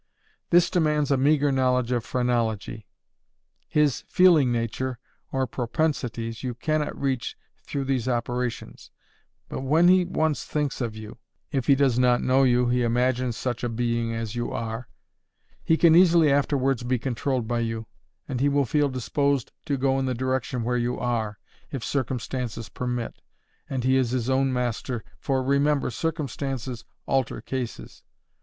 This demands a meagre knowledge of Phrenology. His "Feeling Nature," or "Propensities," you cannot reach through these operations, but when he once thinks of you, (if he does not know you he imagines such a being as you are,) he can easily afterwards be controlled by you, and he will feel disposed to go in the direction where you are, if circumstances permit, and he is his own master, for, remember, circumstances alter cases.